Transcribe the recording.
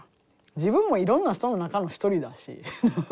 自分もいろんな人の中の一人だし。